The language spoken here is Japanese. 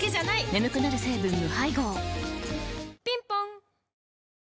眠くなる成分無配合ぴんぽん